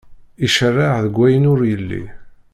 Iceṛṛeɛ deg wayen ur yelli.